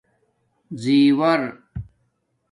زیݸر